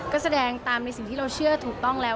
ก็แสดงตามในสิ่งที่เราเชื่อถูกต้องแล้ว